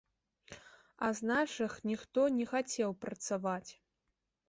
А з нашых ніхто не хацеў працаваць.